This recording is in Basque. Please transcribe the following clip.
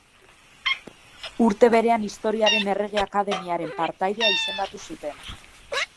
Urte berean Historiaren Errege Akademiaren partaidea izendatu zuten.